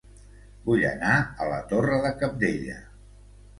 Vull anar a La Torre de Cabdella